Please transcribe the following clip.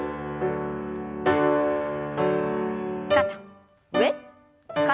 肩上肩下。